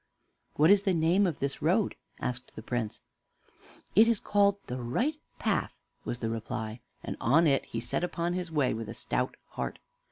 "What is the name of this road?" asked the Prince. "It is called the 'Right Path'" was the reply; and on he set upon his way with a stout heart.